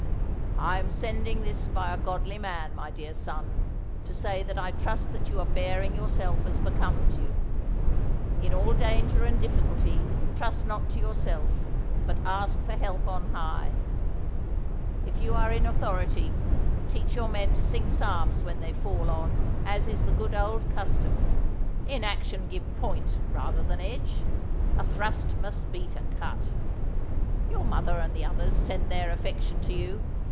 "I am sending this by a godly man, my dear son, to say that I trust that you are bearing yourself as becomes you. In all danger and difficulty trust not to yourself, but ask help from on high. If you are in authority, teach your men to sing psalms when they fall on, as is the good old custom. In action give point rather than edge. A thrust must beat a cut. Your mother and the others send their affection to you.